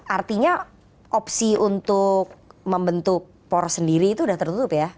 artinya opsi untuk membentuk poros sendiri itu sudah tertutup ya